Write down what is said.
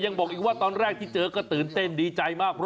บอกอีกว่าตอนแรกที่เจอก็ตื่นเต้นดีใจมาก